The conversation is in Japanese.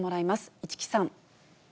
市來さん。